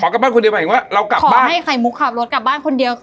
ขอกลับบ้านคนเดียวหมายถึงว่าขอให้ไข่มุกขับรถกลับบ้านคนเดียว